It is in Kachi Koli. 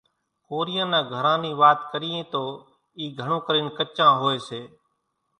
ڪوريان نان گھران نِي وات ڪريئين تو اِي گھڻون ڪرينَ ڪچان هوئيَ سي۔